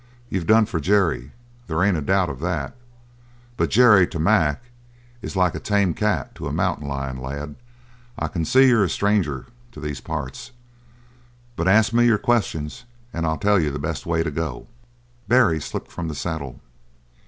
You've done for Jerry, there ain't a doubt of that, but Jerry to Mac is like a tame cat to a mountain lion. Lad, I c'n see you're a stranger to these parts, but ask me your questions and I'll tell you the best way to go." Barry slipped from the saddle.